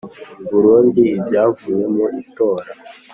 burundu ibyavuye mu itora